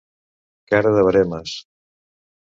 Cara de veremes.